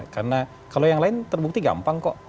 karena kalau yang lain terbukti gampang kok